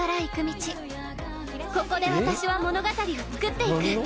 「ここで私は物語をつくっていく」